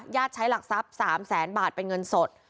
ใช้หลักทรัพย์๓แสนบาทเป็นเงินสด